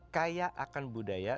kaya akan budaya